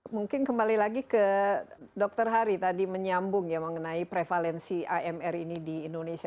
mungkin kembali lagi ke dokter hari tadi menyambung ya mengenai prevalensi amr ini di indonesia